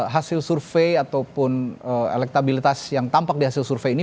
hasil survei ataupun elektabilitas yang tampak di hasil survei ini